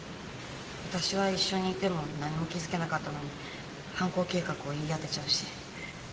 私は一緒にいても何も気付けなかったのに犯行計画を言い当てちゃうし。